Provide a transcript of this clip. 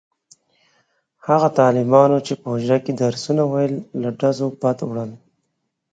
هغه طالبانو چې په حجره کې درسونه ویل له ډزو بد وړل.